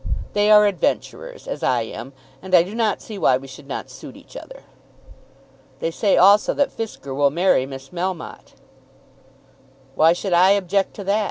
They are adventurers, as I am, and I do not see why we should not suit each other." "They say also that Fisker will marry Miss Melmotte." "Why should I object to that?